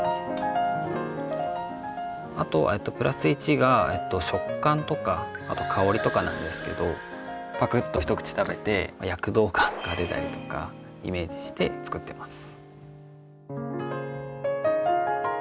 あと＋１が食感とかあと香りとかなんですけどパクッと一口食べて躍動感が出たりとかイメージして作ってます